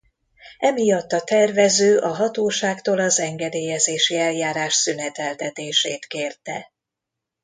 Emiatt a Tervező a Hatóságtól az engedélyezési eljárás szüneteltetését kérte.